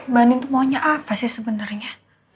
mbak nien tuh maunya apa sih sebenernya